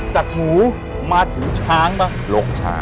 สักหมูมาถือช้างป่ะ